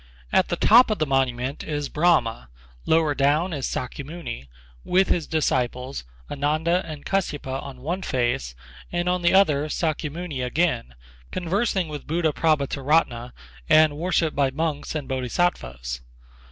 At the top of the monument is Brahma, lower down is Sâkyamuni with his disciples, Ananda and Kas'yapa on one face, and on the other Sâkyamuni again, conversing with Buddha Prabhutaratna and worshipped by monks and Bodhisattvas.